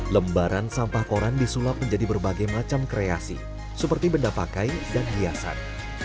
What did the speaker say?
lembaran sampah koran disulap menjadi berbagai macam kreasi seperti benda pakai dan hiasan